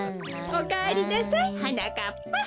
おかえりなさいはなかっぱ。